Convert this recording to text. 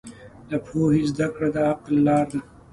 د پوهې زده کړه د عقل لاره ده.